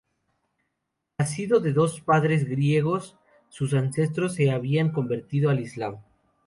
Nacidos de padres griegos, sus ancestros se habían convertido al islam.